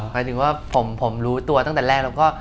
หมายถึงว่าผมรู้ตัวตั้งแต่แรกแล้วก็